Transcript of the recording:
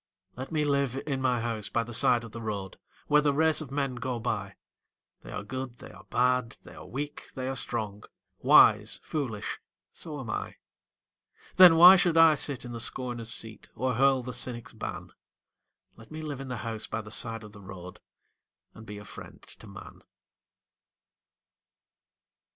Let me live in my house by the side of the road, Where the race of men go by They are good, they are bad, they are weak, they are strong, Wise, foolish so am I. Then why should I sit in the scorner's seat, Or hurl the cynic's ban? Let me live in my house by the side of the road And be a friend to man.